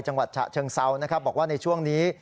จังหวัดเชิงเซาส์นะครับบอกว่าในช่วงนี้